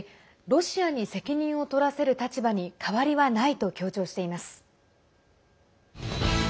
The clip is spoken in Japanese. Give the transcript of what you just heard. ロシアに責任を取らせる立場に変わりはないと強調しています。